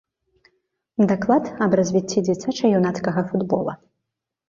Даклад аб развіцці дзіцяча-юнацкага футбола.